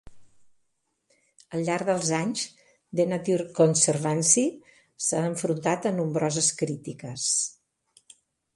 Al llarg dels anys, The Nature Conservancy s'ha enfrontat a nombroses crítiques.